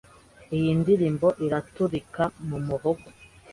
Iyi ndirimbo iraturika mu muhogo